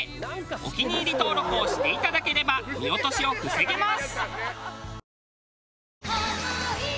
お気に入り登録をしていただければ見落としを防げます！